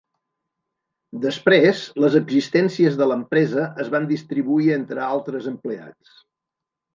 Després, les existències de l'empresa es van distribuir entre altres empleats.